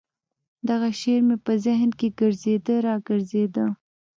دغه شعر مې په ذهن کښې ګرځېده راګرځېده.